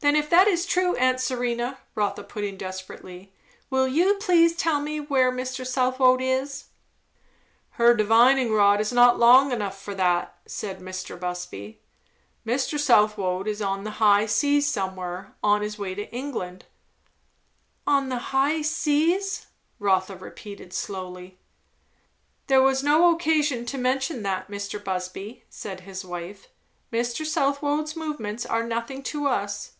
"Then if that is true, aunt Serena," Rotha put in desperately, "will you please tell me where Mr. Southwode is?" "Her divining rod is not long enough for that," said Mr. Busby. "Mr. Southwode is on the high seas somewhere, on his way to England." "On the high seas!" Rotha repeated slowly. "There was no occasion to mention that, Mr. Busby," said his wife. "Mr. Southwode's movements are nothing to us."